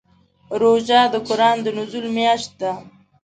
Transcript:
روژه د قران د نزول میاشت ده.